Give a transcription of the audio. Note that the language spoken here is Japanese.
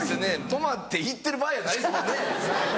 止まって行ってる場合やないですもんね。